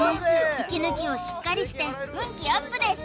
息抜きをしっかりして運気アップです